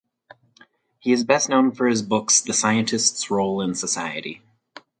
He is best known for his books The scientist’s role in society